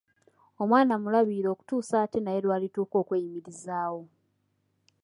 Omwana mulabirire okutuusa ate naye lw’alituuka okweyimirizaawo.